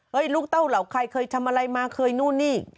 ลูกเต้าเหล่าใครเคยทำอะไรมาเคยนู่นนี่